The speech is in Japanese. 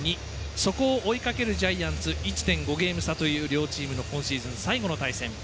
そこを追いかけるジャイアンツ１．５ゲーム差という両チーム、今シーズン最後の対戦。